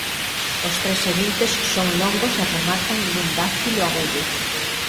Os tres seguintes son longos e rematan nun dáctilo agudo.